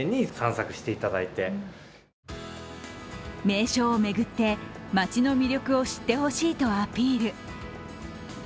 名所を巡って街の魅力を知ってほしいとアピール。